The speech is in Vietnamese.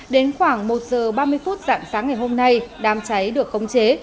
đến khoảng một giờ ba mươi phút dạng sáng ngày hôm nay đám cháy được khống chế